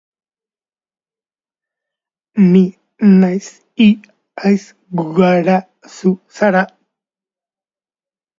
Horren haritik, zehatz-mehatz aurkeztuko dira norgehiagoka gehienak jokatuko diren egoitzak.